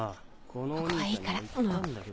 ここはいいから。